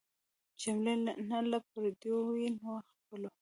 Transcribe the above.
چي حملې نه له پردیو وي نه خپلو